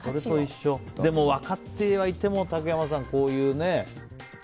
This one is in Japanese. でも分かってはいても竹山さん、こういうね。